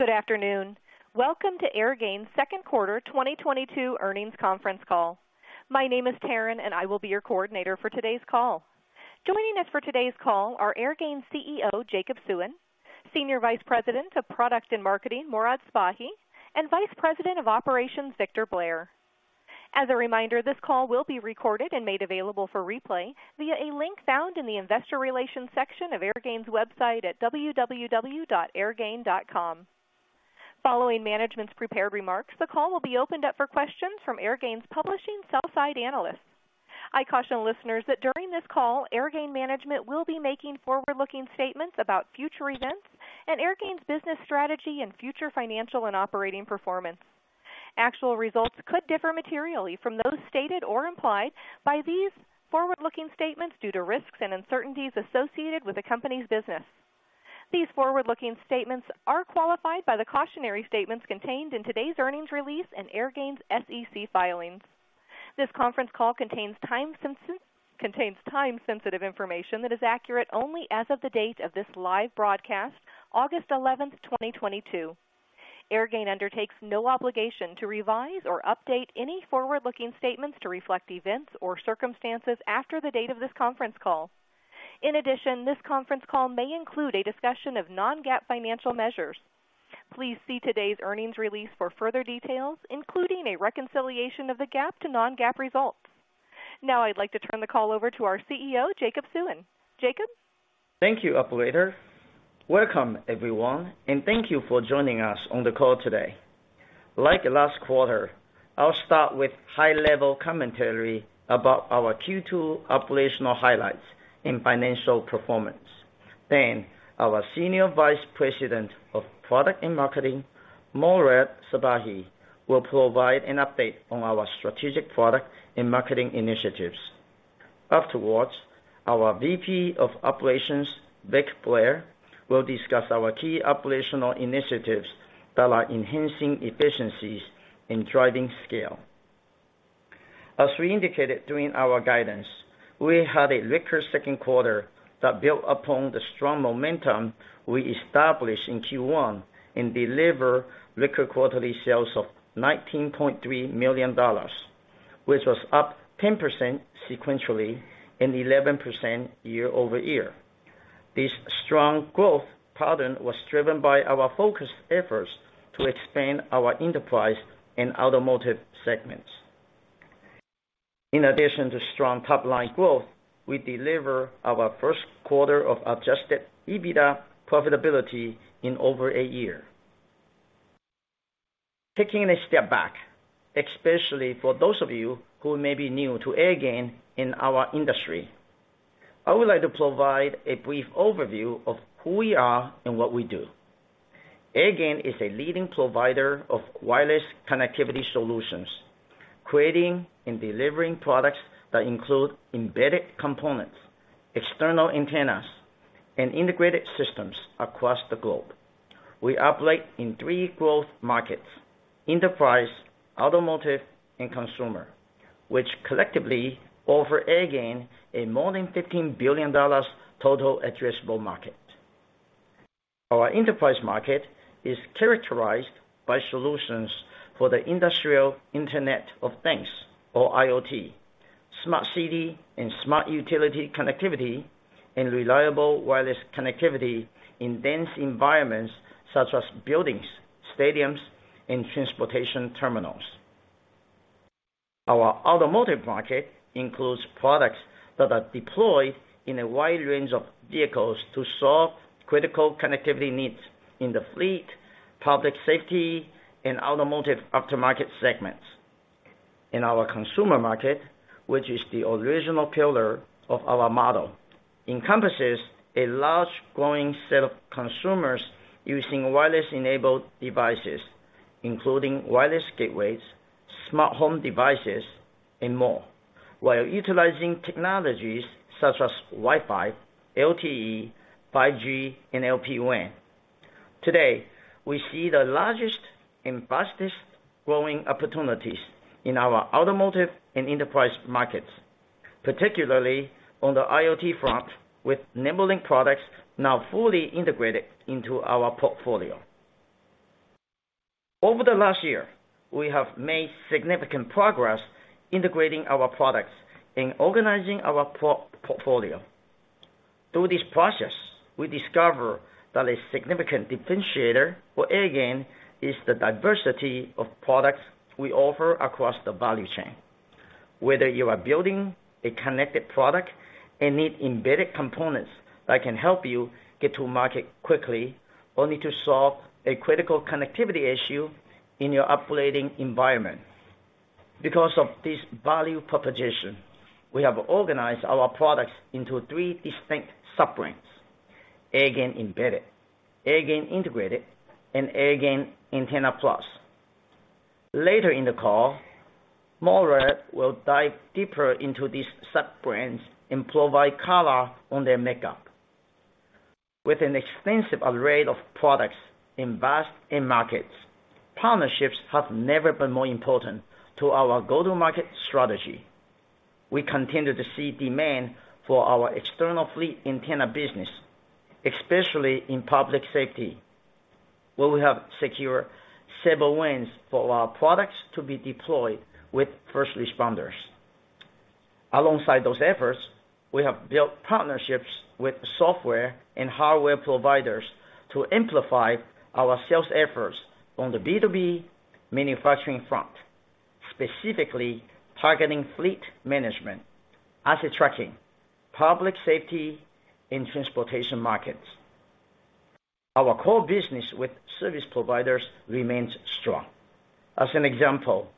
Good afternoon. Welcome to Airgain's second quarter 2022 earnings conference call. My name is Taryn, and I will be your coordinator for today's call. Joining us for today's call are Airgain's CEO, Jacob Suen, Senior Vice President of Product and Marketing, Morad Sbahi, and Vice President of Operations, Victor Blair. As a reminder, this call will be recorded and made available for replay via a link found in the investor relations section of Airgain's website at www.airgain.com. Following management's prepared remarks, the call will be opened up for questions from Airgain's publishing sell-side analysts. I caution listeners that during this call, Airgain management will be making forward-looking statements about future events and Airgain's business strategy and future financial and operating performance. Actual results could differ materially from those stated or implied by these forward-looking statements due to risks and uncertainties associated with the company's business. These forward-looking statements are qualified by the cautionary statements contained in today's earnings release and Airgain's SEC filings. This conference call contains time-sensitive information that is accurate only as of the date of this live broadcast, August 11, 2022. Airgain undertakes no obligation to revise or update any forward-looking statements to reflect events or circumstances after the date of this conference call. In addition, this conference call may include a discussion of non-GAAP financial measures. Please see today's earnings release for further details, including a reconciliation of the GAAP to non-GAAP results. Now I'd like to turn the call over to our CEO, Jacob Suen. Jacob? Thank you, operator. Welcome, everyone, and thank you for joining us on the call today. Like last quarter, I'll start with high-level commentary about our Q2 operational highlights and financial performance. Then our Senior Vice President of Product and Marketing, Morad Sbahi, will provide an update on our strategic product and marketing initiatives. Afterwards, our VP of Operations, Vic Blair, will discuss our key operational initiatives that are enhancing efficiencies and driving scale. As we indicated during our guidance, we had a record second quarter that built upon the strong momentum we established in Q1 and delivered record quarterly sales of $19.3 million, which was up 10% sequentially and 11% year-over-year. This strong growth pattern was driven by our focused efforts to expand our enterprise in automotive segments. In addition to strong top-line growth, we deliver our first quarter of adjusted EBITDA profitability in over a year. Taking a step back, especially for those of you who may be new to Airgain in our industry, I would like to provide a brief overview of who we are and what we do. Airgain is a leading provider of wireless connectivity solutions, creating and delivering products that include embedded components, external antennas, and integrated systems across the globe. We operate in three growth markets: enterprise, automotive, and consumer, which collectively offer Airgain a more than $15 billion total addressable market. Our enterprise market is characterized by solutions for the industrial Internet of Things or IoT, smart city, and smart utility connectivity, and reliable wireless connectivity in dense environments such as buildings, stadiums, and transportation terminals. Our automotive market includes products that are deployed in a wide range of vehicles to solve critical connectivity needs in the fleet, public safety, and automotive aftermarket segments. In our consumer market, which is the original pillar of our model, encompasses a large growing set of consumers using wireless-enabled devices, including wireless gateways, smart home devices, and more, while utilizing technologies such as Wi-Fi, LTE, 5G, and LPWAN. Today, we see the largest and fastest-growing opportunities in our automotive and enterprise markets, particularly on the IoT front, with NimbeLink products now fully integrated into our portfolio. Over the last year, we have made significant progress integrating our products and organizing our portfolio. Through this process, we discover that a significant differentiator for Airgain is the diversity of products we offer across the value chain. Whether you are building a connected product and need embedded components that can help you get to market quickly or need to solve a critical connectivity issue in your operating environment. Because of this value proposition, we have organized our products into three distinct sub-brands, Airgain Embedded, Airgain Integrated, and Airgain Antenna+. Later in the call, Morad will dive deeper into these sub-brands and provide color on their makeup. With an extensive array of products we invest in markets, partnerships have never been more important to our go-to-market strategy. We continue to see demand for our external fleet antenna business, especially in public safety, where we have secured several wins for our products to be deployed with first responders. Alongside those efforts, we have built partnerships with software and hardware providers to amplify our sales efforts on the B2B manufacturing front, specifically targeting fleet management, asset tracking, public safety, and transportation markets. Our core business with service providers remains strong. As an example,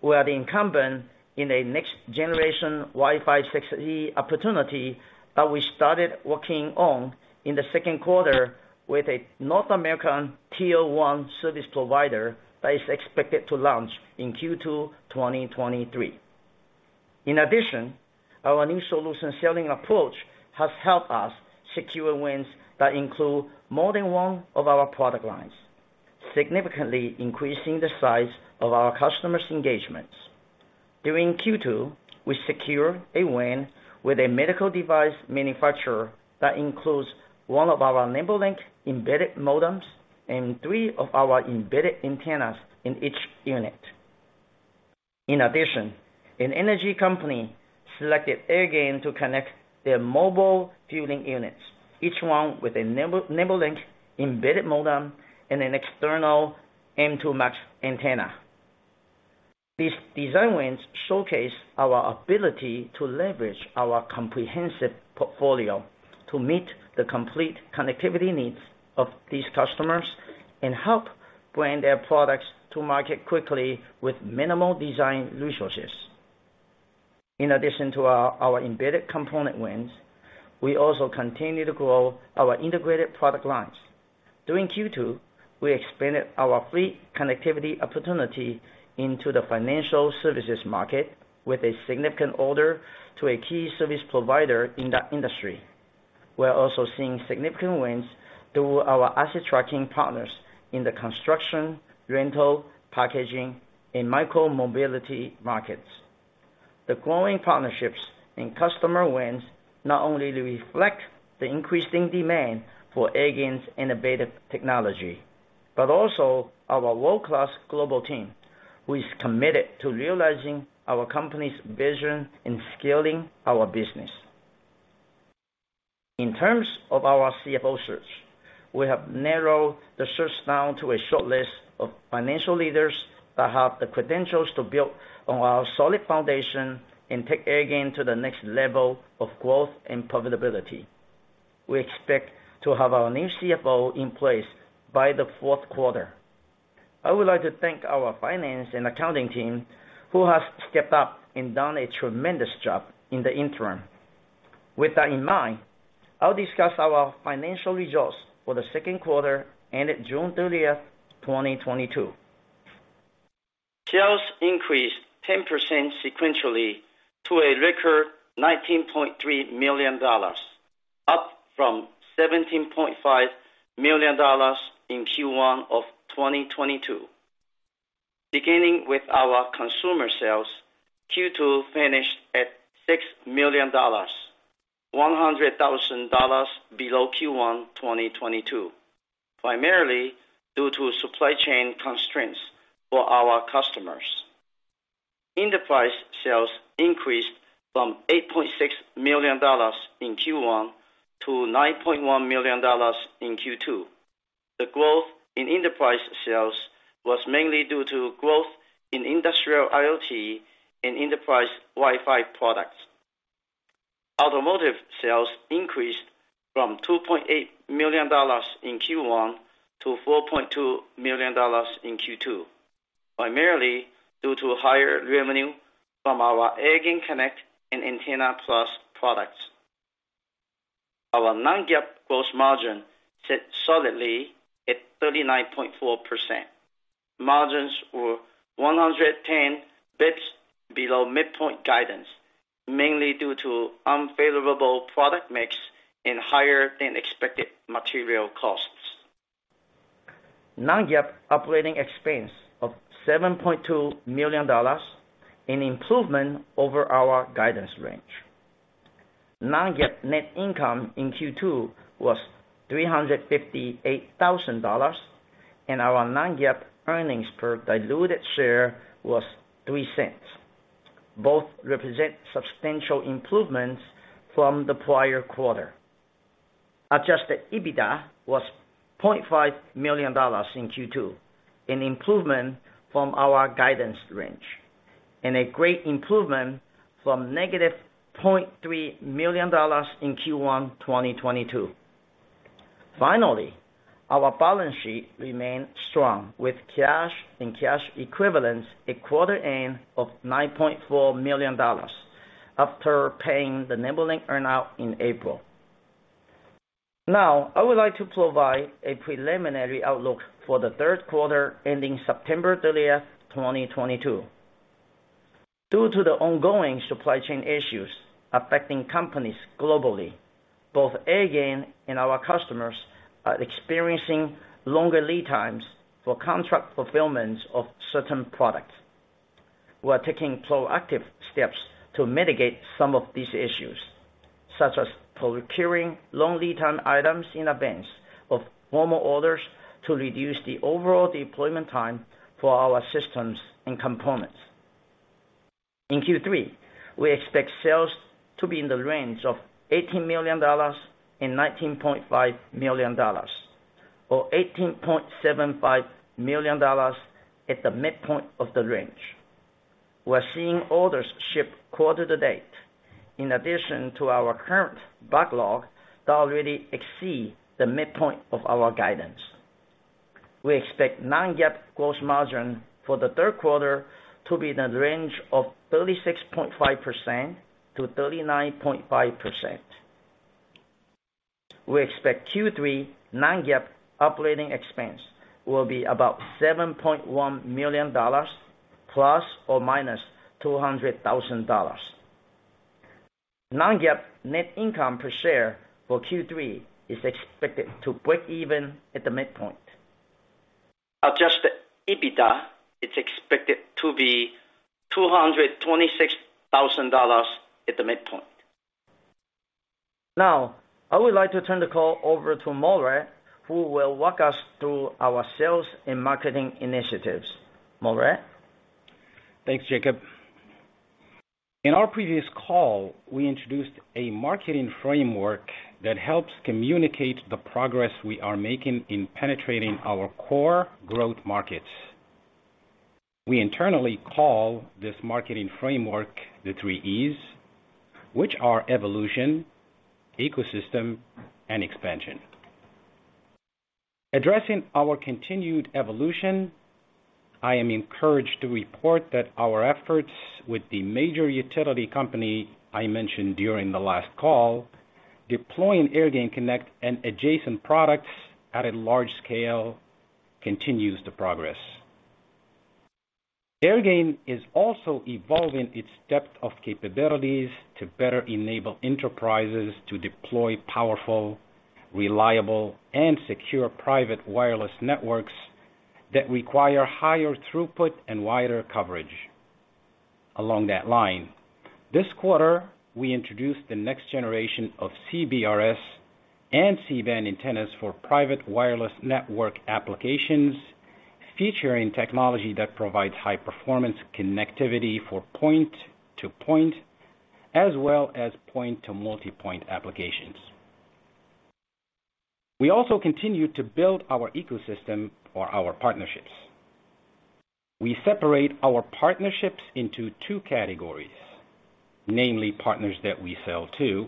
we are the incumbent in a next generation Wi-Fi 6E opportunity that we started working on in the second quarter with a North American tier one service provider that is expected to launch in Q2 2023. In addition, our new solution selling approach has helped us secure wins that include more than one of our product lines, significantly increasing the size of our customers' engagements. During Q2, we secured a win with a medical device manufacturer that includes one of our NimbeLink embedded modems and three of our embedded antennas in each unit. In addition, an energy company selected Airgain to connect their mobile fueling units, each one with a NimbeLink Embedded modem and an External M2 Max Antenna. These design wins showcase our ability to leverage our comprehensive portfolio to meet the complete connectivity needs of these customers and help bring their products to market quickly with minimal design resources. In addition to our embedded component wins, we also continue to grow our integrated product lines. During Q2, we expanded our fleet connectivity opportunity into the financial services market with a significant order to a key service provider in that industry. We're also seeing significant wins through our asset tracking partners in the construction, rental, packaging, and micro-mobility markets. The growing partnerships and customer wins not only reflect the increasing demand for Airgain's innovative technology, but also our world-class global team, who is committed to realizing our company's vision in scaling our business. In terms of our CFO search, we have narrowed the search down to a shortlist of financial leaders that have the credentials to build on our solid foundation and take Airgain to the next level of growth and profitability. We expect to have our new CFO in place by the fourth quarter. I would like to thank our finance and accounting team, who has stepped up and done a tremendous job in the interim. With that in mind, I'll discuss our financial results for the second quarter ended June 30th, 2022. Sales increased 10% sequentially to a record $19.3 million, up from $17.5 million in Q1 of 2022. Beginning with our consumer sales, Q2 finished at $6 million, $100,000 below Q1 2022, primarily due to supply chain constraints for our customers. Enterprise sales increased from $8.6 million in Q1 to $9.1 million in Q2. The growth in enterprise sales was mainly due to growth in industrial IoT and enterprise Wi-Fi products. Automotive sales increased from $2.8 million in Q1 to $4.2 million in Q2, primarily due to higher revenue from our AirgainConnect and Airgain Antenna+ products. Our non-GAAP gross margin sit solidly at 39.4%. Margins were 110 basis points below midpoint guidance, mainly due to unfavorable product mix and higher than expected material costs. Non-GAAP operating expense of $7.2 million, an improvement over our guidance range. Non-GAAP net income in Q2 was $358,000, and our non-GAAP earnings per diluted share was $0.03. Both represent substantial improvements from the prior quarter. Adjusted EBITDA was $0.5 million in Q2, an improvement from our guidance range, and a great improvement from -$0.3 million in Q1, 2022. Finally, our balance sheet remained strong with cash and cash equivalents at quarter-end of $9.4 million after paying the NimbeLink earn-out in April. Now, I would like to provide a preliminary outlook for the third quarter ending September 30th, 2022. Due to the ongoing supply chain issues affecting companies globally. Both Airgain and our customers are experiencing longer lead times for contract fulfillments of certain products. We are taking proactive steps to mitigate some of these issues, such as procuring long lead time items in advance of formal orders to reduce the overall deployment time for our systems and components. In Q3, we expect sales to be in the range of $18 million-$19.5 million, or $18.75 million at the midpoint of the range. We're seeing orders ship quarter-to-date in addition to our current backlog that already exceed the midpoint of our guidance. We expect non-GAAP gross margin for the third quarter to be in the range of 36.5%-39.5%. We expect Q3 non-GAAP operating expense will be about $7.1 million ±$200,000. Non-GAAP net income per share for Q3 is expected to break even at the midpoint. Adjusted EBITDA is expected to be $226,000 at the midpoint. I would like to turn the call over to Morad, who will walk us through our sales and marketing initiatives. Morad? Thanks, Jacob. In our previous call, we introduced a marketing framework that helps communicate the progress we are making in penetrating our core growth markets. We internally call this marketing framework the three E's, which are evolution, ecosystem, and expansion. Addressing our continued evolution, I am encouraged to report that our efforts with the major utility company I mentioned during the last call, deploying AirgainConnect and adjacent products at a large scale continues to progress. Airgain is also evolving its depth of capabilities to better enable enterprises to deploy powerful, reliable, and secure private wireless networks that require higher throughput and wider coverage. Along that line, this quarter, we introduced the next generation of CBRS and C-band antennas for private wireless network applications, featuring technology that provides high performance connectivity for point-to-point, as well as point to multipoint applications. We also continue to build our ecosystem for our partnerships. We separate our partnerships into two categories, namely partners that we sell to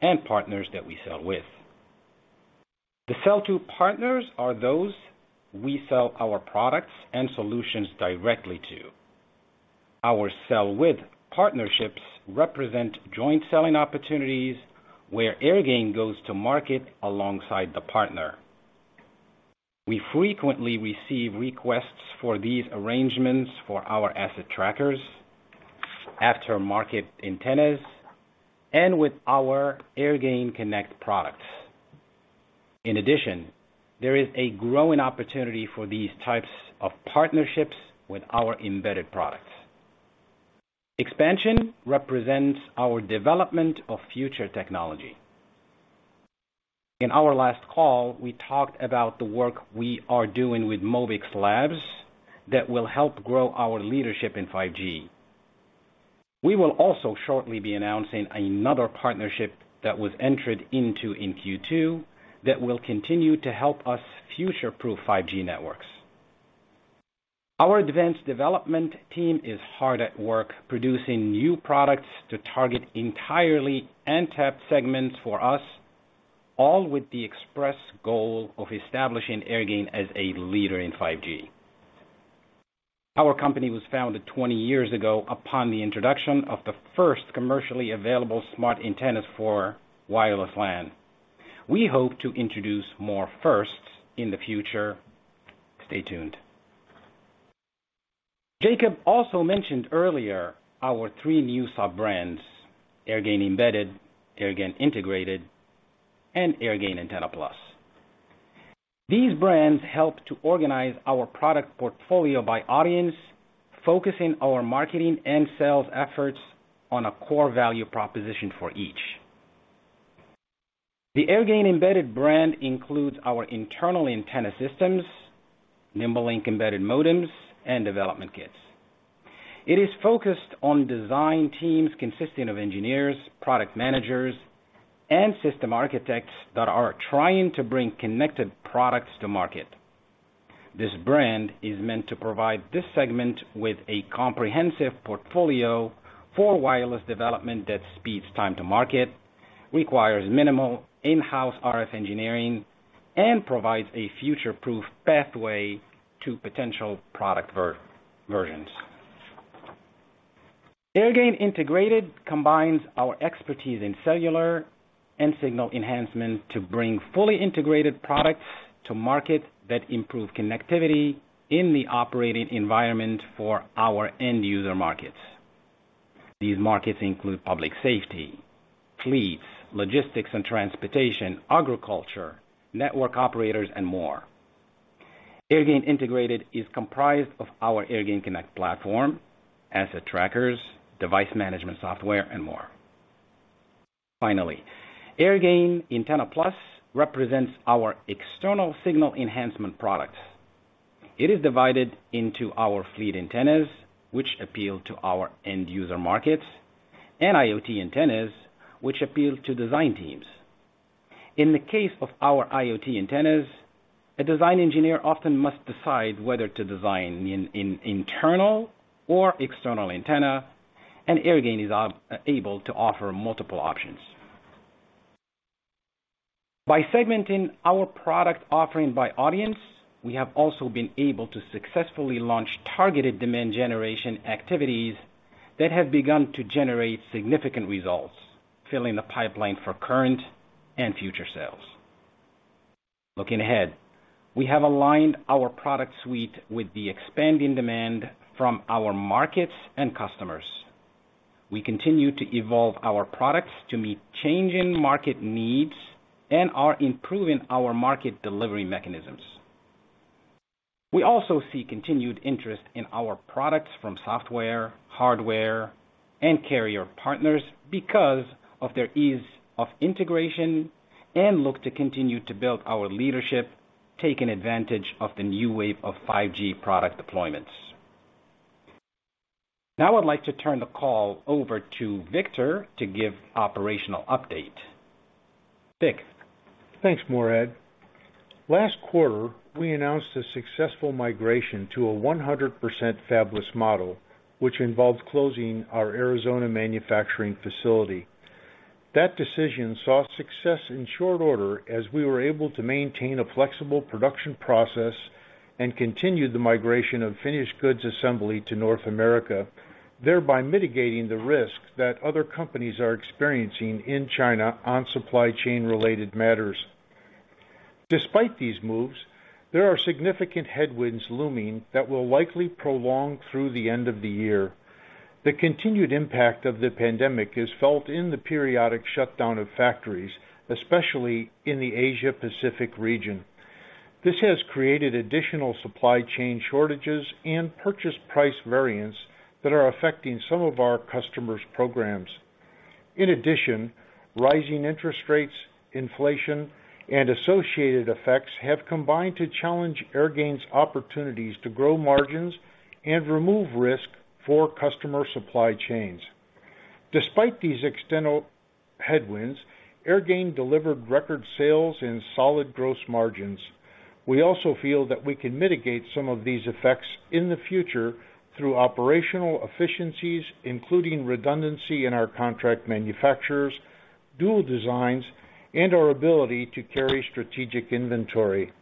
and partners that we sell with. The sell to partners are those we sell our products and solutions directly to. Our sell with partnerships represent joint selling opportunities where Airgain goes to market alongside the partner. We frequently receive requests for these arrangements for our asset trackers, aftermarket antennas, and with our AirgainConnect products. In addition, there is a growing opportunity for these types of partnerships with our embedded products. Expansion represents our development of future technology. In our last call, we talked about the work we are doing with Mobix Labs that will help grow our leadership in 5G. We will also shortly be announcing another partnership that was entered into in Q2 that will continue to help us future-proof 5G networks. Our advanced development team is hard at work producing new products to target entirely untapped segments for us, all with the express goal of establishing Airgain as a leader in 5G. Our company was founded 20 years ago upon the introduction of the first commercially available smart antennas for wireless LAN. We hope to introduce more firsts in the future. Stay tuned. Jacob also mentioned earlier our three new sub-brands, Airgain Embedded, Airgain Integrated, and Airgain Antenna+. These brands help to organize our product portfolio by audience, focusing our marketing and sales efforts on a core value proposition for each. The Airgain Embedded brand includes our internal antenna systems, NimbeLink Embedded Modems, and development kits. It is focused on design teams consisting of engineers, product managers, and system architects that are trying to bring connected products to market. This brand is meant to provide this segment with a comprehensive portfolio for wireless development that speeds time to market, requires minimal in-house RF engineering, and provides a future-proof pathway to potential product versions. Airgain Integrated combines our expertise in cellular and signal enhancement to bring fully integrated products to market that improve connectivity in the operating environment for our end user markets. These markets include public safety, fleets, logistics and transportation, agriculture, network operators, and more. Airgain Integrated is comprised of our AirgainConnect Platform, asset trackers, device management software, and more. Finally, Airgain Antenna+ represents our external signal enhancement products. It is divided into our fleet antennas, which appeal to our end user markets, and IoT antennas, which appeal to design teams. In the case of our IoT antennas, a design engineer often must decide whether to design in an internal or external antenna, and Airgain is able to offer multiple options. By segmenting our product offering by audience, we have also been able to successfully launch targeted demand generation activities that have begun to generate significant results, filling the pipeline for current and future sales. Looking ahead, we have aligned our product suite with the expanding demand from our markets and customers. We continue to evolve our products to meet changing market needs and are improving our market delivery mechanisms. We also see continued interest in our products from software, hardware, and carrier partners because of their ease of integration and look to continue to build our leadership, taking advantage of the new wave of 5G product deployments. Now I'd like to turn the call over to Victor to give operational update. Vic? Thanks, Morad. Last quarter, we announced a successful migration to a 100% fabless model, which involved closing our Arizona manufacturing facility. That decision saw success in short order as we were able to maintain a flexible production process and continued the migration of finished goods assembly to North America, thereby mitigating the risk that other companies are experiencing in China on supply chain-related matters. Despite these moves, there are significant headwinds looming that will likely prolong through the end of the year. The continued impact of the pandemic is felt in the periodic shutdown of factories, especially in the Asia Pacific region. This has created additional supply chain shortages and purchase price variance that are affecting some of our customers' programs. In addition, rising interest rates, inflation, and associated effects have combined to challenge Airgain's opportunities to grow margins and remove risk for customer supply chains. Despite these external headwinds, Airgain delivered record sales and solid gross margins. We also feel that we can mitigate some of these effects in the future through operational efficiencies, including redundancy in our contract manufacturers, dual designs, and our ability to carry strategic inventory.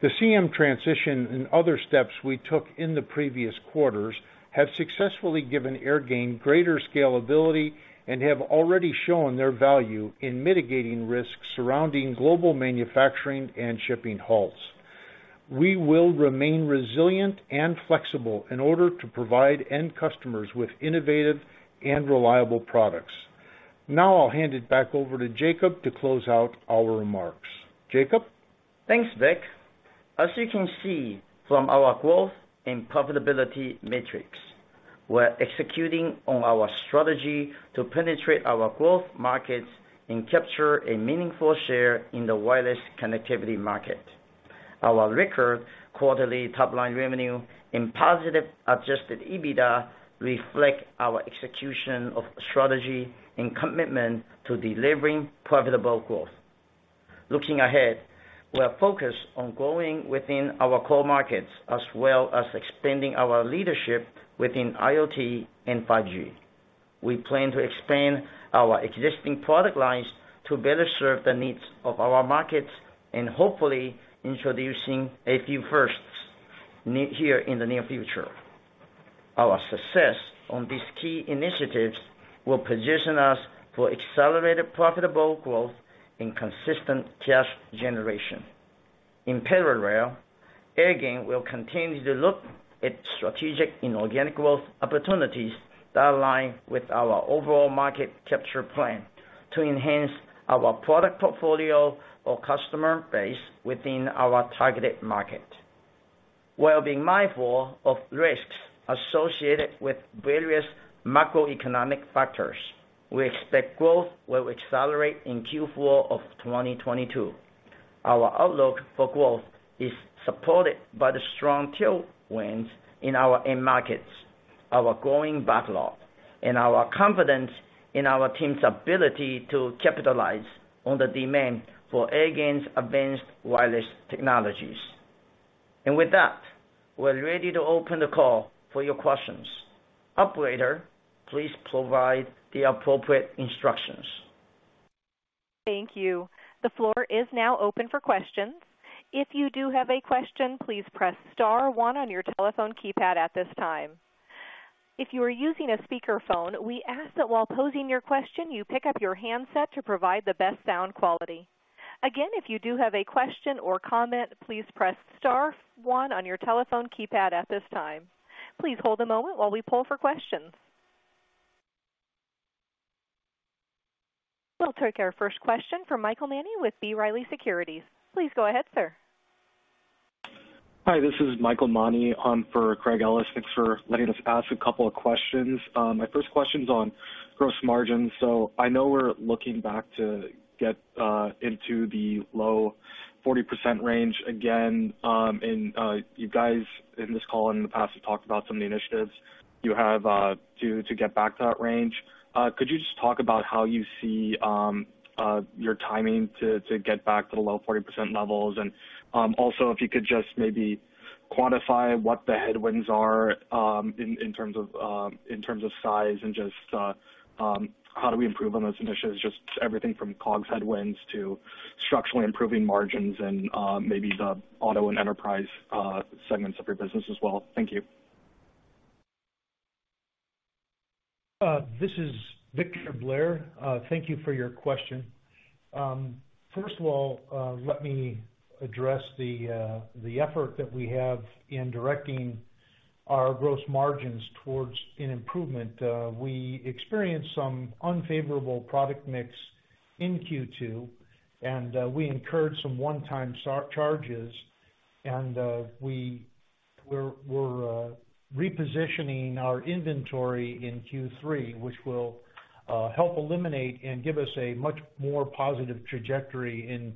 The CM transition and other steps we took in the previous quarters have successfully given Airgain greater scalability and have already shown their value in mitigating risks surrounding global manufacturing and shipping halts. We will remain resilient and flexible in order to provide end customers with innovative and reliable products. Now I'll hand it back over to Jacob to close out our remarks. Jacob? Thanks, Vic. As you can see from our growth and profitability metrics, we're executing on our strategy to penetrate our growth markets and capture a meaningful share in the wireless connectivity market. Our record quarterly top-line revenue and positive adjusted EBITDA reflect our execution of strategy and commitment to delivering profitable growth. Looking ahead, we're focused on growing within our core markets, as well as expanding our leadership within IoT and 5G. We plan to expand our existing product lines to better serve the needs of our markets and hopefully introducing a few firsts in the near future. Our success on these key initiatives will position us for accelerated profitable growth and consistent cash generation. In parallel, Airgain will continue to look at strategic inorganic growth opportunities that align with our overall market capture plan to enhance our product portfolio or customer base within our targeted market. While being mindful of risks associated with various macroeconomic factors, we expect growth will accelerate in Q4 of 2022. Our outlook for growth is supported by the strong tailwinds in our end markets, our growing backlog, and our confidence in our team's ability to capitalize on the demand for Airgain's advanced wireless technologies. With that, we're ready to open the call for your questions. Operator, please provide the appropriate instructions. Thank you. The floor is now open for questions. If you do have a question, please press star one on your telephone keypad at this time. If you are using a speakerphone, we ask that while posing your question, you pick up your handset to provide the best sound quality. Again, if you do have a question or comment, please press star one on your telephone keypad at this time. Please hold a moment while we poll for questions. We'll take our first question from Michael Elbaz with B. Riley Securities. Please go ahead, sir. Hi, this is Michael Elbaz on for Craig Ellis. Thanks for letting us ask a couple of questions. My first question is on gross margins. I know we're looking to get back into the low 40% range again, and you guys, in this call and in the past, have talked about some of the initiatives you have to get back to that range. Could you just talk about how you see your timing to get back to the low 40% levels? Also, if you could just maybe quantify what the headwinds are in terms of size and just how do we improve on those initiatives? Just everything from COGS headwinds to structurally improving margins and, maybe the auto and enterprise segments of your business as well. Thank you. This is Victor Blair. Thank you for your question. First of all, let me address the effort that we have in directing our gross margins towards an improvement. We experienced some unfavorable product mix in Q2, and we incurred some one-time charges, and we're repositioning our inventory in Q3, which will help eliminate and give us a much more positive trajectory in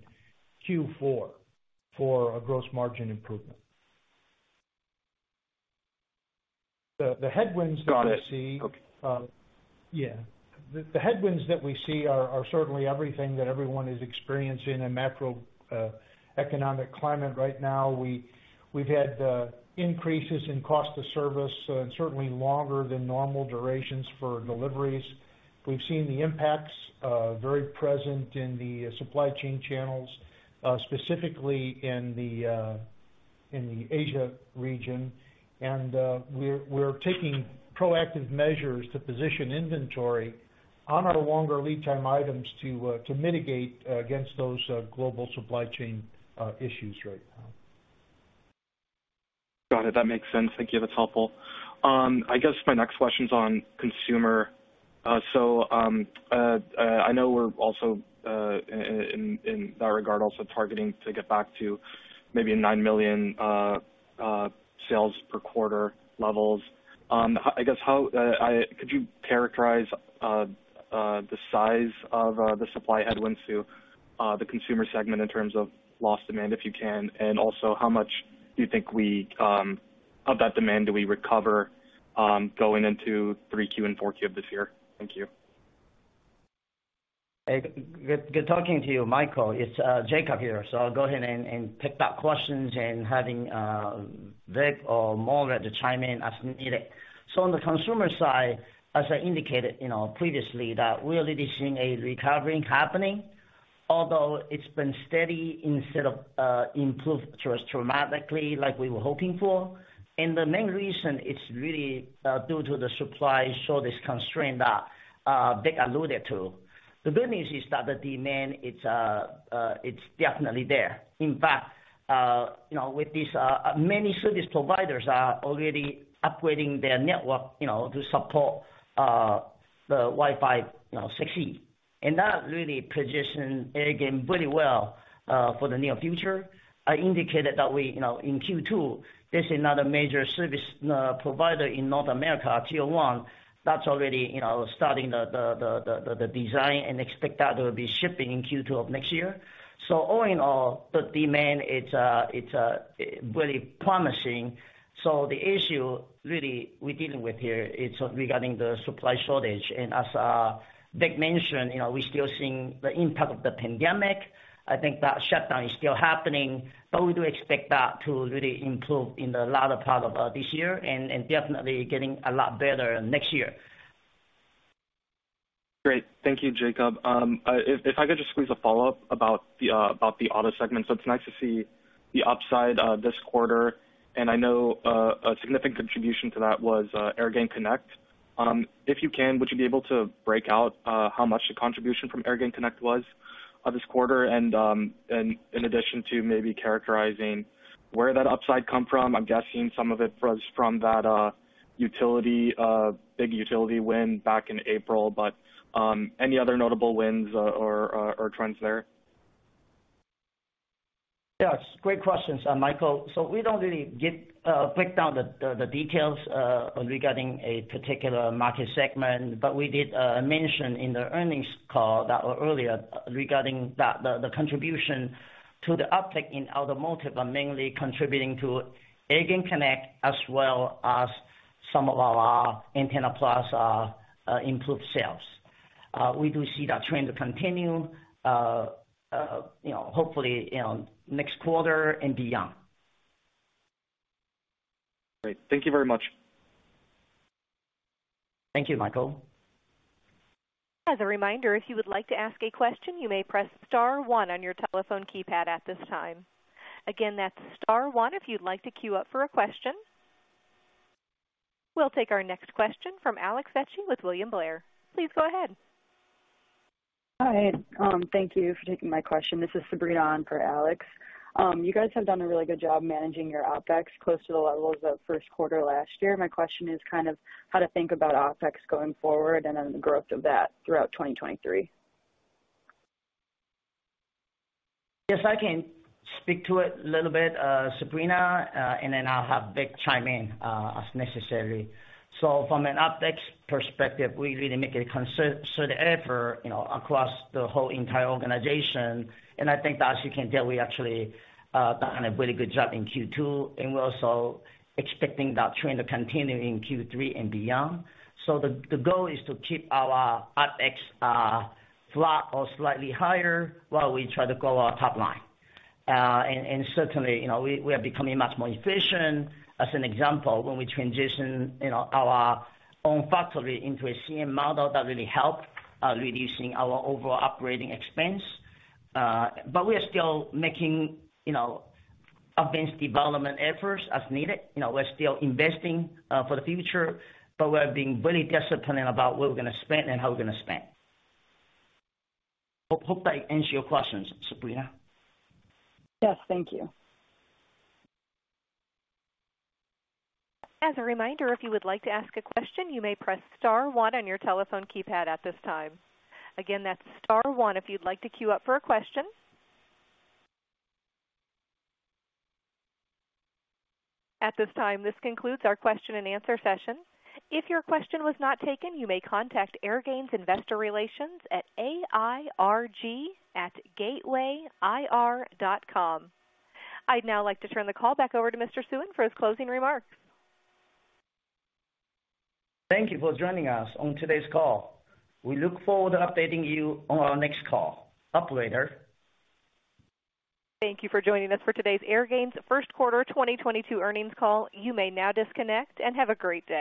Q4 for a gross margin improvement. The headwinds that we see. Got it. Okay. Yeah. The headwinds that we see are certainly everything that everyone is experiencing in a macroeconomic climate right now. We've had increases in cost of service and certainly longer than normal durations for deliveries. We've seen the impacts very present in the supply chain channels, specifically in the Asia region. We're taking proactive measures to position inventory on our longer lead time items to mitigate against those global supply chain issues right now. Got it. That makes sense. Thank you. That's helpful. I guess my next question's on consumer. I know we're also in that regard also targeting to get back to maybe a $9 million sales per quarter levels. I guess how could you characterize the size of the supply headwinds to the consumer segment in terms of lost demand, if you can, and also how much do you think we of that demand do we recover going into 3Q and 4Q of this year? Thank you. Hey, good talking to you, Michael. It's Jacob here. I'll go ahead and pick up those questions and have Vic or Mo to chime in as needed. On the consumer side, as I indicated, you know, previously, that we already seeing a recovery happening, although it's been steady instead of improved dramatically like we were hoping for. The main reason it's really due to the supply shortage constraint that Vic alluded to. The good news is that the demand, it's definitely there. In fact, you know, with this, many service providers are already upgrading their network, you know, to support the Wi-Fi 6E. That really positions Airgain pretty well for the near future. I indicated that we in Q2 there's another major service provider in North America tier one that's already starting the design and expect that will be shipping in Q2 of next year. All in all the demand it's really promising. The issue really we're dealing with here is regarding the supply shortage. As Vic mentioned we're still seeing the impact of the pandemic. I think that shutdown is still happening but we do expect that to really improve in the latter part of this year and definitely getting a lot better next year. Great. Thank you, Jacob. If I could just squeeze a follow-up about the auto segment. It's nice to see the upside this quarter, and I know a significant contribution to that was AirgainConnect. If you can, would you be able to break out how much the contribution from AirgainConnect was this quarter? In addition to maybe characterizing where that upside come from. I'm guessing some of it was from that big utility win back in April. Any other notable wins or trends there? Yes, great questions, Michael. We don't really break down the details regarding a particular market segment. We did mention earlier in the earnings call regarding the contribution to the uptick in automotive is mainly AirgainConnect as well as some of our Antenna+ improved sales. We do see that trend to continue, you know, hopefully, you know, next quarter and beyond. Great. Thank you very much. Thank you, Michael. As a reminder, if you would like to ask a question, you may press star one on your telephone keypad at this time. Again, that's star one if you'd like to queue up for a question. We'll take our next question from Alex Vecchio with William Blair. Please go ahead. Hi, thank you for taking my question. This is Sabrina on for Alex. You guys have done a really good job managing your OpEx close to the levels of first quarter last year. My question is kind of how to think about OpEx going forward and then the growth of that throughout 2023. Yes, I can speak to it a little bit, Sabrina, and then I'll have Vic chime in, as necessary. From an OpEx perspective, we really the effort, you know, across the whole entire organization, and I think as you can tell, we actually done a really good job in Q2, and we're also expecting that trend to continue in Q3 and beyond. The goal is to keep our OpEx flat or slightly higher while we try to grow our top line. And certainly, you know, we are becoming much more efficient. As an example, when we transition, you know, our own factory into a CM model, that really help reducing our overall operating expense. But we are still making, you know, advanced development efforts as needed. You know, we're still investing for the future, but we're being very disciplined about where we're gonna spend and how we're gonna spend. Hope that answers your questions, Sabrina. Yes. Thank you. As a reminder, if you would like to ask a question, you may press star one on your telephone keypad at this time. Again, that's star one if you'd like to queue up for a question. At this time, this concludes our question and answer session. If your question was not taken, you may contact Airgain's Investor Relations at airg@gatewayir.com. I'd now like to turn the call back over to Mr. Suen for his closing remarks. Thank you for joining us on today's call. We look forward to updating you on our next call. Operator. Thank you for joining us for today's Airgain's first quarter 2022 earnings call. You may now disconnect and have a great day.